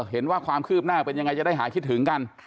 เห็นว่าความคืบหน้าเป็นยังไงจะได้หาคิดถึงกัน